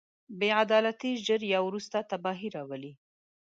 بې عدالتي ژر یا وروسته تباهي راولي.